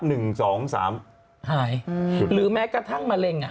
หายหรือแม้กระทั่งมะเร็งอ่ะ